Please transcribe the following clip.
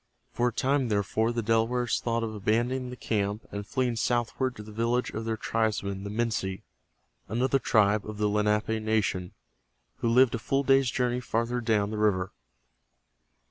For a time, therefore, the Delawares thought of abandoning the camp and fleeing southward to the village of their tribesmen, the Minsi, another tribe of the Lenape nation who lived a full day's journey farther down the river.